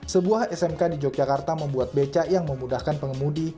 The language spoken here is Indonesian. sebuah smk di yogyakarta membuat becak yang memudahkan pengemudi